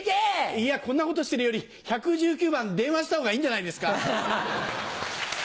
いやこんなことしてるより１１９番電話した方がいいんじゃないですか？